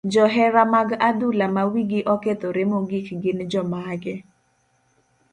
Johera mag adhula ma wigi okethore mogik gin jomage?